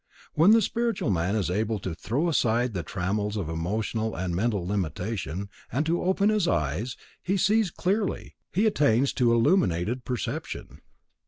When the spiritual man is able to throw aside the trammels of emotional and mental limitation, and to open his eyes, he sees clearly, he attains to illuminated perception.